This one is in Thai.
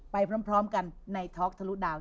ไปพร้อมกันในท็อกทะลุดาว